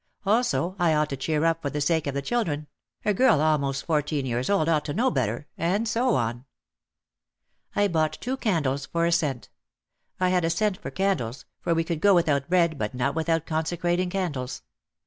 Also, I ought to cheer up for the sake of the children, — a girl almost fourteen years old ought to know better — and so on. I bought two candles for a cent. I had a cent for candles, for we could go without bread but not with out consecrating candles.